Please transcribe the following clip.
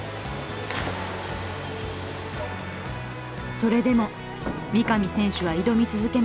それでも三上選手は挑み続けました。